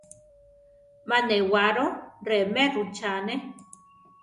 Má newaro remé rutzane.